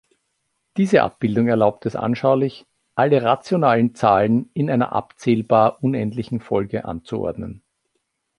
Diese Abbildung erlaubt es anschaulich, alle rationalen Zahlen in einer abzählbar unendlichen Folge anzuordnen.